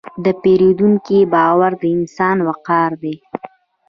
د پیرودونکي باور د انسان وقار دی.